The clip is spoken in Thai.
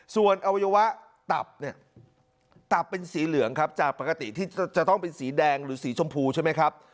ส่วนอวัยวะตับเนี่ยตับเป็นสีเหลืองครับจากปกติที่จะต้องเป็นสีแดงหรือสีชมพูใช่ไหมครับ